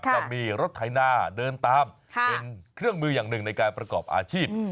จะมีรถไถนาเดินตามเป็นเครื่องมืออย่างหนึ่งในการประกอบอาชีพ